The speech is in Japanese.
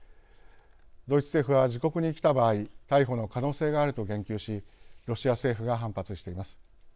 ドイツ政府は、自国に来た場合逮捕の可能性があると言及しロシア政府が反発しています。